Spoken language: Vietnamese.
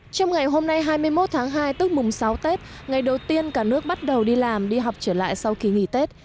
trong ngày hôm nay hai mươi một tháng hai tức mùng sáu tết ngày đầu tiên cả nước bắt đầu đi làm đi học trở lại sau kỳ nghỉ tết